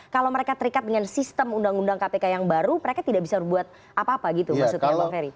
kalau mereka terikat dengan sistem undang undang kpk yang baru mereka tidak bisa berbuat apa apa gitu maksudnya bang ferry